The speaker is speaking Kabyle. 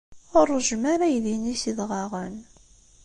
Ur ṛejjem ara aydi-nni s yidɣaɣen.